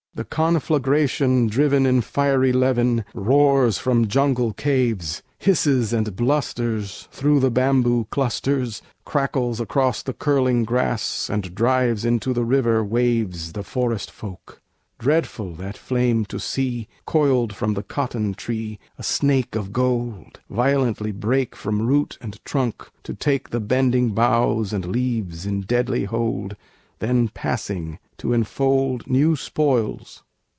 The conflagration, driven In fiery levin, roars from jungle caves; Hisses and blusters through the bamboo clusters, Crackles across the curling grass, and drives Into the river waves The forest folk! Dreadful that flame to see Coil from the cotton tree a snake of gold Violently break from root and trunk, to take The bending boughs and leaves in deadly hold Then passing to enfold New spoils!